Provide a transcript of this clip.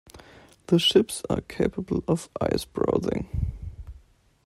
The ships are capable of ice browsing.